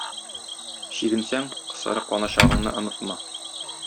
Чигенсәң кысырыкланачагыңны онытма.